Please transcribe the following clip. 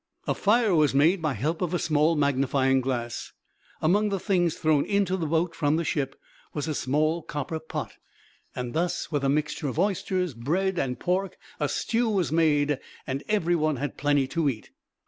A fire was made by help of a small magnifying glass. Among the things thrown into the boat from the ship was a small copper pot; and thus with a mixture of oysters, bread, and pork a stew was made, and every one had plenty to eat.